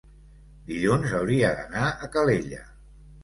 dilluns hauria d'anar a Calella.